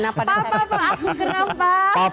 papa aku kenapa